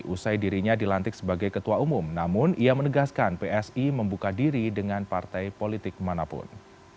usai dirinya dilantik sebagai ketua umum namun ia menegaskan psi membuka diri dengan partai politik manapun